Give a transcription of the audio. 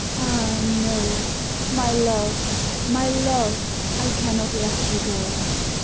Ah, no! My love, my love, I cannot let you go.